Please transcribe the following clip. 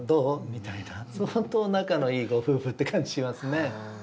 みたいな相当仲のいいご夫婦って感じしますね。